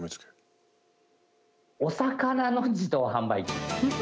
お魚の自動販売機。